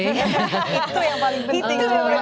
itu yang paling penting